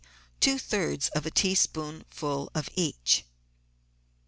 two thirds of a tea spoonful of each.